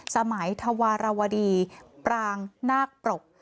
สมัยธวรวดีปรางนาคปรก